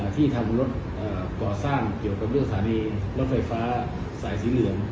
ที่ทำรถก่อสร้างเกี่ยวกับเรื่องสถานีรถไฟฟ้าสายสีเหลือง